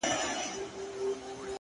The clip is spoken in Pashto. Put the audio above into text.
ستا شاعرۍ ته سلامي كومه ـ